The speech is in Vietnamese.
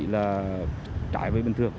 là trải về bình thường